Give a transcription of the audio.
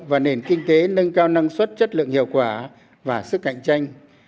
và nền kinh tế nâng cao năng suất chất lượng hiệu quả và sức cạnh tranh